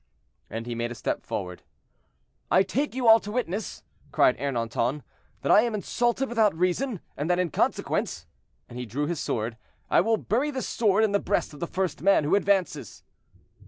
And he made a step forward. "I take you all to witness," cried Ernanton, "that I am insulted without reason, and that in consequence"—and he drew his sword—"I will bury this sword in the breast of the first man who advances."